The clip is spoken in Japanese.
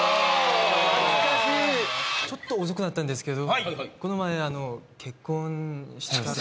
「ちょっと遅くなったんですけど」